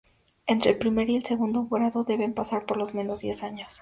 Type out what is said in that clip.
Entre el primer y el segundo grado deben pasar por lo menos diez años.